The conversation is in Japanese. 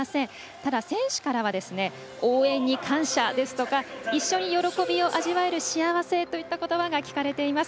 ただ、選手からは応援に感謝ですとか一緒に喜びを味わえる幸せということばが聞かれます。